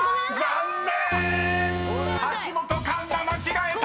［残念！］